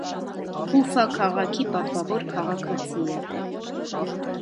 Ուֆա քաղաքի պատվավոր քաղաքացի է։